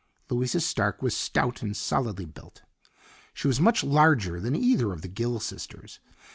Louisa Stark was stout and solidly built. She was much larger than either of the Gill sisters.